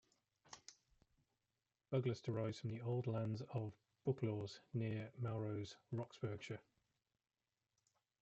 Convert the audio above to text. Buglass derives from the old lands of Booklawes near Melrose, Roxburghshire.